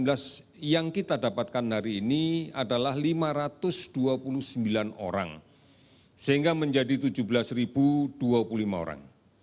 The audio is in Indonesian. yang kita dapatkan hari ini adalah lima ratus dua puluh sembilan orang sehingga menjadi tujuh belas dua puluh lima orang